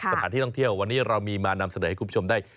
สถานที่ท่องเที่ยววันนี้เรามีมานำเสนอให้คุณผู้ชมได้